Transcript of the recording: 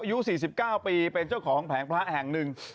อายุ๔๙ปีเป็นเจ้าของแผงพระแห่งหนึ่ง